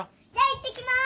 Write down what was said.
いってきます。